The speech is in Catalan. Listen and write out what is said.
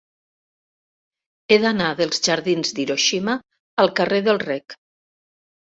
He d'anar dels jardins d'Hiroshima al carrer del Rec.